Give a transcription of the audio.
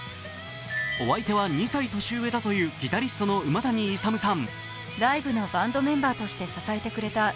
お相手は２歳年上だというギタリストの馬谷勇さん。